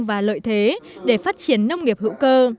và lợi thế để phát triển nông nghiệp hữu cơ